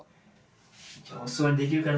お座りできるかな？